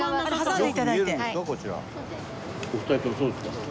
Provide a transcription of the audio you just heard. お二人ともそうですか。